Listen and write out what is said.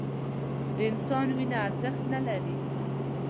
د انسان وینه ارزښت نه لري